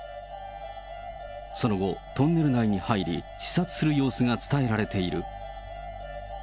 その後、トンネル内に入り、視察する様子が伝えられている。